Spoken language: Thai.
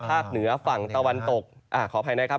เหนือฝั่งตะวันตกขออภัยนะครับ